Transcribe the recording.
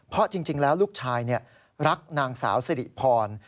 เพราะจริงแล้วลูกชายรักนางสาวสิริพร